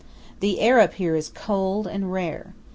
The air up here is cold and rare.